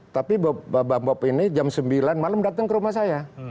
tapi bang bob ini jam sembilan malam datang ke rumah saya